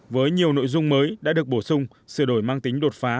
với nhiều nội dung mới đã được bổ sung sửa đổi mang tính đột phá